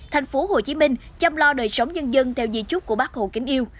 thành phố hồ chí minh chăm lo đời sống nhân dân theo di trúc của bác hồ kính yêu